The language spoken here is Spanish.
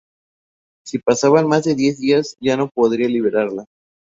Si pasaban más de diez días ya no podría liberarla.